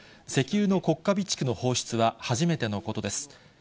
石油の国家備蓄の放出は初めてのことです。